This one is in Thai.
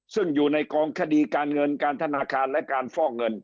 ซึ่งอยู่ในกองคดีการเงินการธนาคารและการฟอกเงิน